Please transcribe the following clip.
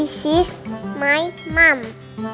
ini keluarga gua